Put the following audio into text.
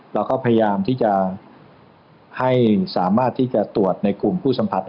เราก็พยายามที่จะให้สามารถที่จะตรวจในกลุ่มผู้สัมผัส